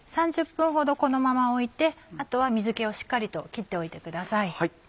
３０分ほどこのまま置いてあとは水気をしっかりと切っておいてください。